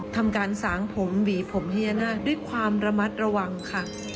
ทำการสางผมหวีผมพญานาคด้วยความระมัดระวังค่ะ